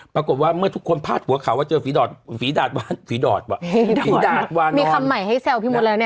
ปรากฏว่าเมื่อทุกคนพลาดหัวข่าวว่าเจอฝีดาตรวานอนฝีดาตรวานอน